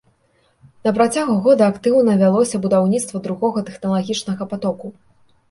На працягу года актыўна вялося будаўніцтва другога тэхналагічнага патоку.